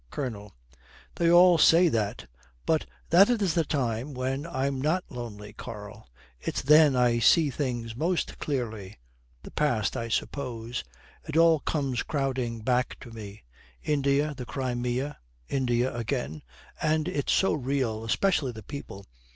COLONEL. 'They all say that. But that is the time when I'm not lonely, Karl. It's then I see things most clearly the past, I suppose. It all comes crowding back to me India, the Crimea, India again and it's so real, especially the people.